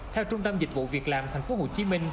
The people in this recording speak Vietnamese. theo trung tâm dịch vụ việc làm tp hcm